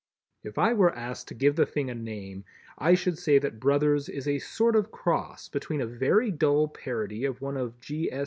If I were asked to give the thing a name, I should say that "Brothers" is a sort of cross between a very dull parody of one of G. S.